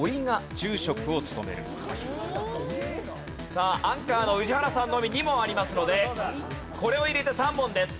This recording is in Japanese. さあアンカーの宇治原さんのみ２問ありますのでこれを入れて３問です。